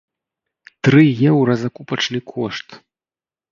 Тры еўра закупачны кошт!